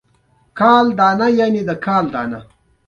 لیک د فکر د ازادۍ لاره پرانسته.